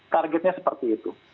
targetnya seperti itu